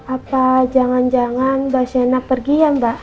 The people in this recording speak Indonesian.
apa jangan jangan mbak shena pergi ya mbak